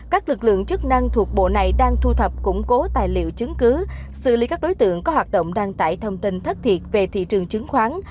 các lực lượng chức năng thuộc bộ này đang thu thập củng cố tài liệu chứng cứ xử lý các đối tượng có hoạt động đăng tải thông tin thất thiệt về thị trường chứng khoán